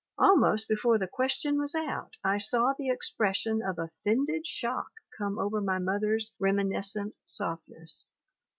Almost before the question was out I saw the expression of offended shock come over my mother's reminiscent softness.